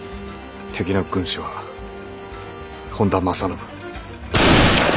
敵の軍師は本多正信。